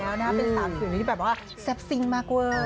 เป็นสาธารณีที่แบบว่าแซ่บซิ้งมากเวิร์ด